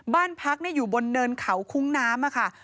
บ้านพักอยู่บนเนินเขาคุ้งน้ำค่ะ